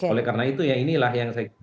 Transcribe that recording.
oleh karena itu ya inilah yang saya kira